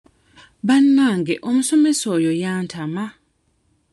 Bannange omusomesa oyo yantama.